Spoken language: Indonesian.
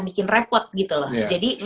bikin repot gitu loh jadi